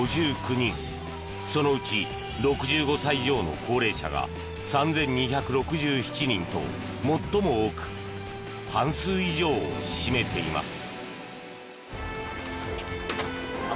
そのうち６５歳以上の高齢者が３２６７人と最も多く半数以上を占めています。